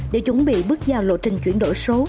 để chuẩn bị bước vào lộ trình chuyển đổi số